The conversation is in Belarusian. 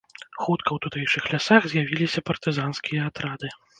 Хутка ў тутэйшых лясах з'явіліся партызанскія атрады.